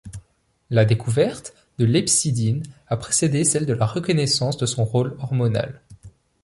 La découverte de l'hepcidine a précédé celle de la reconnaissance de son rôle hormonal.